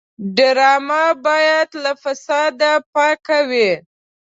ډرامه باید له فساد پاکه وي